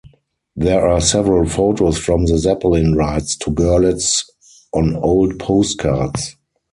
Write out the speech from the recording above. There are several photos from the Zeppelin rides to Görlitz on old postcards.